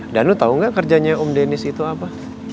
danu tau gak kerjanya om dennis itu apa